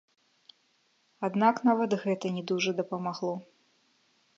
Аднак нават гэта не дужа дапамагло.